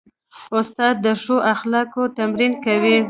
استاد د ښو اخلاقو تمرین کوي.